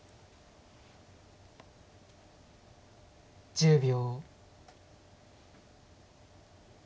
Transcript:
１０秒。